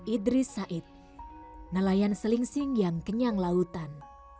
idris said nelayan selingsing yang kenyang lautan